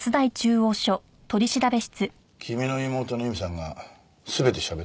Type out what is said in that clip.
君の妹の由美さんが全て喋ったよ。